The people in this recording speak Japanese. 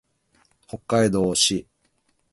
北海道苫小牧市